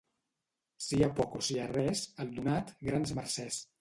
Sia poc o sia res, al donat, grans mercès.